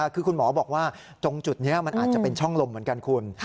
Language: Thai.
คือคุณหมอบอกว่าตรงจุดนี้มันอาจจะเป็นช่องลมเหมือนกันคุณ